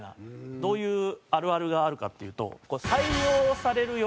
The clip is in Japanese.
どういうあるあるがあるかっていうと。